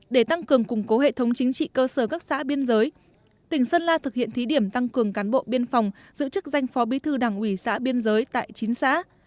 để tăng cường củng cố hệ thống chính trị cơ sở các xã biên giới tỉnh sơn la thực hiện thí điểm tăng cường cán bộ biên phòng giữ chức danh phó bí thư đảng ủy xã biên giới tại chín xã